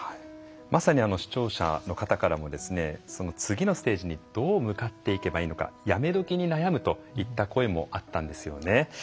まさに視聴者の方からも次のステージにどう向かっていけばいいのかやめ時に悩むといった声もあったんですよね。